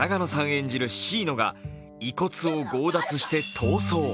演じるシイノが遺骨を強奪して逃走。